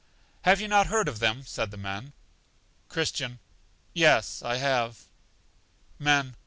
Have you not heard of them? said the men. Christian. Yes, I have. Men.